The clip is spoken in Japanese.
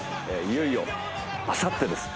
いよいよあさってです